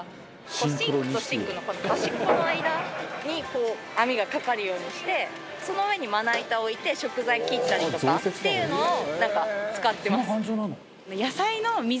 シンクとシンクの端っこの間にこう網がかかるようにしてその上にまな板を置いて食材切ったりとかっていうのをなんか使ってます。